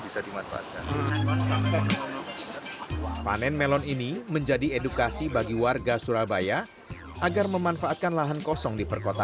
bisa dimanfaatkan panen melon ini menjadi edukasi bagi warga surabaya agar memanfaatkan lahan kosong di perkotaan